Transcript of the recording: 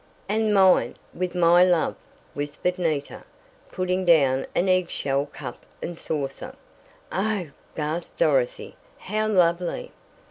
"And mine with my love," whispered Nita, putting down an egg shell cup and saucer. "Oh!" gasped Dorothy. "How lovely!"